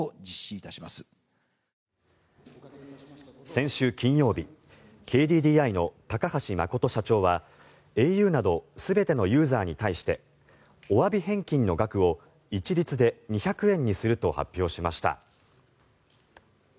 先週金曜日ＫＤＤＩの高橋誠社長はａｕなど全てのユーザーに対しておわび返金の額を一律で２００円にすると発表しました。